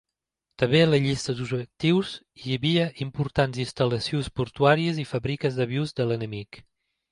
També a la llista d'objectius hi havia importants instal·lacions portuàries i fàbriques d'avions de l'enemic.